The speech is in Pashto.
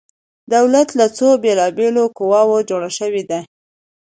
دولت له څو بیلا بیلو قواو جوړ شوی دی؟